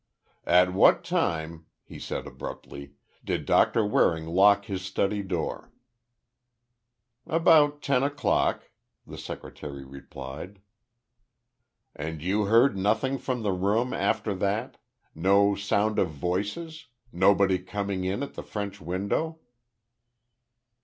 "At what time," he said, abruptly, "did Doctor Waring lock his study door?" "About ten o'clock," the secretary replied. "And you heard nothing from the room after that? No sound of voices? Nobody coming in at the French window?"